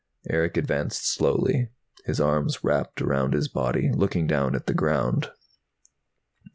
Erick advanced slowly, his arms wrapped around his body, looking down at the ground.